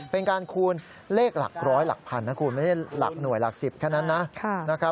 เป็นการคูณเลขหลักร้อยหลักพันนะคุณไม่ใช่หลักหน่วยหลัก๑๐แค่นั้นนะ